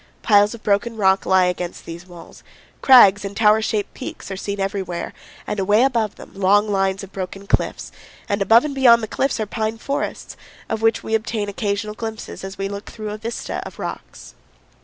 Piles of broken rock lie against these walls; crags and tower shaped peaks are seen everywhere, and away above them, long lines of broken cliffs; and above and beyond the cliffs are pine forests, of which we obtain occasional glimpses as we look up through a vista of rocks.